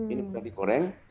ini mudah digoreng